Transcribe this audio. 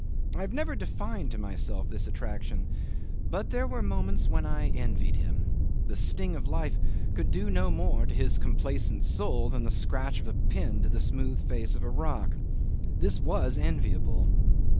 I have never defined to myself this attraction, but there were moments when I envied him. The sting of life could do no more to his complacent soul than the scratch of a pin to the smooth face of a rock. This was enviable.